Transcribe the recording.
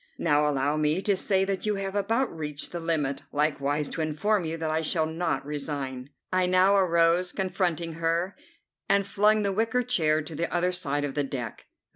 Now allow me to say that you have about reached the limit, likewise to inform you that I shall not resign." I now arose, confronting her, and flung the wicker chair to the other side of the deck.